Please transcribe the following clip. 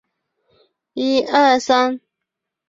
是一款由南梦宫公司制作和发行的游戏。